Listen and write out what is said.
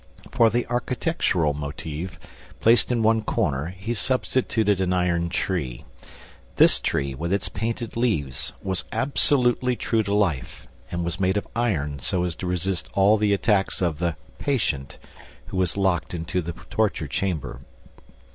For the architectural motive placed in one corner, he substituted an iron tree. This tree, with its painted leaves, was absolutely true to life and was made of iron so as to resist all the attacks of the "patient" who was locked into the torture chamber.